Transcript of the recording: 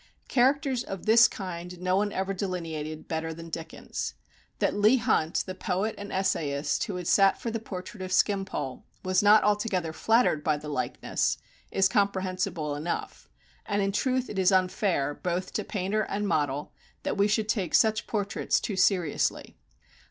Characters of this kind no one ever delineated better than Dickens. That Leigh Hunt, the poet and essayist, who had sat for the portrait of Skimpole, was not altogether flattered by the likeness, is comprehensible enough; and in truth it is unfair, both to painter and model, that we should take such portraits too seriously.